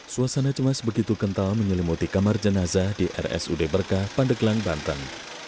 suasana cemas begitu kental menyelimuti kamar jenazah di rsud berkah pandeglang banten